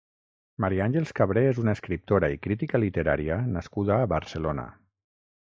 Maria Àngels Cabré és una escriptora i crítica literària nascuda a Barcelona.